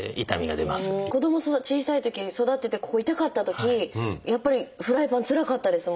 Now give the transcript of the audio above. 子ども小さいときに育ててここ痛かったときやっぱりフライパンつらかったですもん。